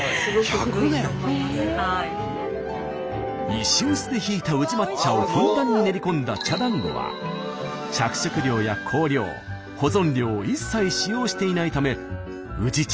石臼でひいた宇治抹茶をふんだんに練り込んだ茶だんごは着色料や香料保存料を一切使用していないため宇治茶